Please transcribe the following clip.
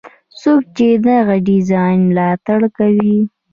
څوک چې دغه ډیزاین ملاتړ کوي.